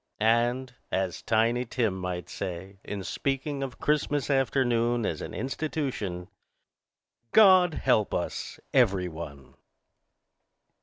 And, as Tiny Tim might say in speaking of Christmas afternoon as an institution, "God help us, every one."